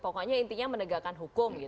pokoknya intinya menegakkan hukum gitu kan